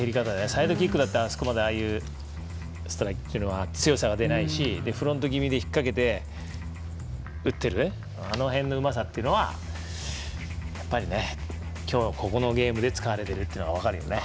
サイドキックだってあそこまでああいう強さが出ないしフロント気味で引っ掛けて、打ってるあの辺のうまさっていうのはやっぱりね今日、ここのゲームで使われているのが分かるよね。